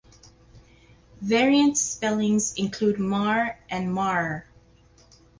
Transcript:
Variant spellings include Mar and Marre.